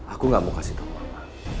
aku gak mau kasih tau mama